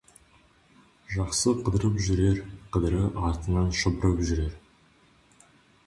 Жақсы қыдырып жүрер, қыдыры артынан шұбырып жүрер.